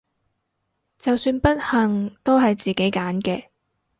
就算不幸都係自己揀嘅！